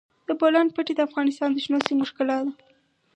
د بولان پټي د افغانستان د شنو سیمو ښکلا ده.